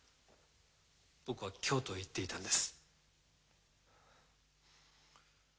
僕は京都へ行っていたんです。